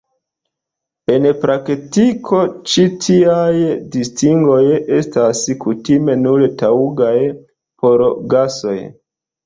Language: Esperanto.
En praktiko, ĉi tiaj distingoj estas kutime nur taŭgaj por gasoj.